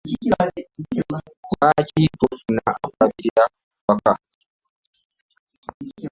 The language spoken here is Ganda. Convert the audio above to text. Lwaki tofuna akulabirira awaka?